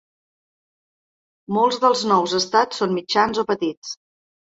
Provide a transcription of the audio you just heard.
Molts dels nous estats són mitjans o petits.